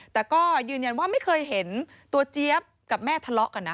แต่ก็ยืนยันว่าไม่เคยเห็นตัวเจี๊ยบกับแม่ทะเลาะกันนะ